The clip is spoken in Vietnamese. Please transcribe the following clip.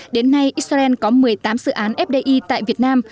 đến nay israel có một mươi tám dự án fdi tại việt nam